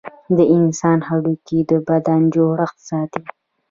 د انسان هډوکي د بدن جوړښت ساتي.